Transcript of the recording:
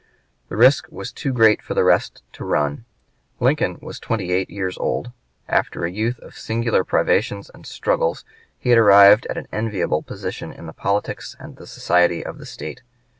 The risk was too great for the rest to run. Lincoln was twenty eight years old; after a youth, of singular privations and struggles he had arrived at an enviable position in the politics and the society of the State.